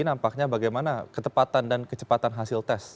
nampaknya bagaimana ketepatan dan kecepatan hasil tes